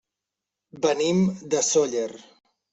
Venim de Sóller.